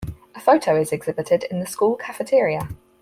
A photo is exhibited in the school cafeteria.